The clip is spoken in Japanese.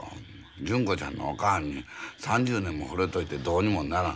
純子ちゃんのおかはんに３０年もほれといてどうにもならん。